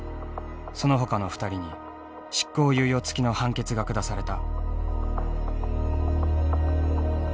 そのほかの２人に執行猶予付きの判決が下された。